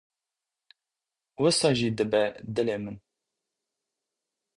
Wisa jî dibe dilê min.